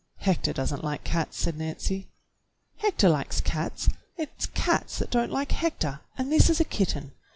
"Hector does n't like cats," said Nancy. "Hector likes cats. It 's cats that don't like Hector, and this is a kitten.